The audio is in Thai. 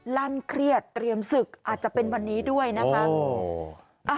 ลั่นเครียดเตรียมศึกอาจจะเป็นวันนี้ด้วยนะคะ